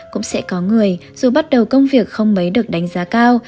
cũng sẽ có người dù bắt đầu công việc không mấy được đánh giá cao